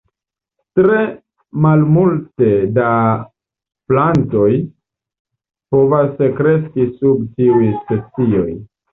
Tre malmulte da plantoj povas kreski sub tiuj specioj.